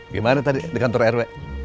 gimana tadi di kantor rw